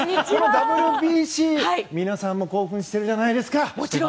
ＷＢＣ、皆さんも興奮してるんじゃないですか？